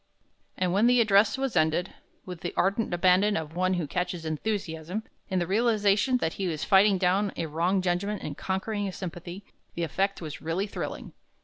And when the address was ended, with the ardent abandon of one who catches enthusiasm, in the realization that he is fighting down a wrong judgment and conquering a sympathy, the effect was really thrilling.